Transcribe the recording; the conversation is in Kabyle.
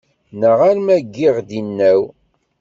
Neɣ arma giɣ-d inaw?